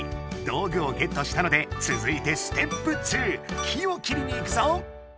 道具をゲットしたのでつづいてステップ２木を切りにいくぞ！